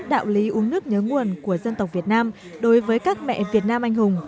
đạo lý uống nước nhớ nguồn của dân tộc việt nam đối với các mẹ việt nam anh hùng